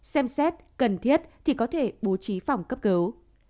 xem xét cần thiết thì có thể bố trí phòng cấp cứu